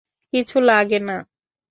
কিছু লাগে না!